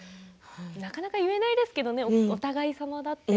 なかなか言えないですけどねお互い様だって。